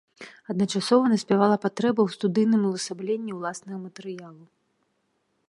Адначасова наспявала патрэба ў студыйным увасабленні ўласнага матэрыялу.